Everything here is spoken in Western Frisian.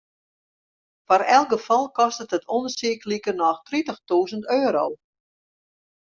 Foar elk gefal kostet it ûndersyk likernôch tritichtûzen euro.